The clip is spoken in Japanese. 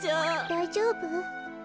だいじょうぶ？